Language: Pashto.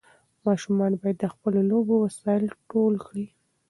ماشومان باید د خپلو لوبو وسایل ټول کړي.